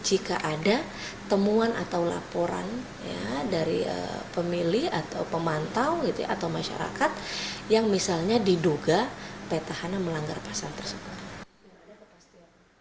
jika ada temuan atau laporan dari pemilih atau pemantau atau masyarakat yang misalnya diduga petahana melanggar pasal tersebut